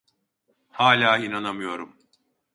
Hala inanamıyorum.